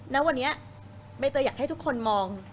ณวันนี้ใบเตยอยากให้ทุกคนมอง